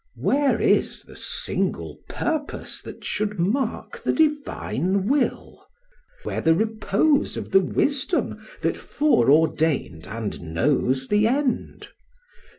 Where is the single purpose that should mark the divine will? where the repose of the wisdom that foreordained and knows the end?